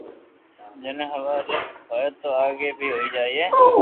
جني ھواري ھوئي تو آگي بي ھوئي جائين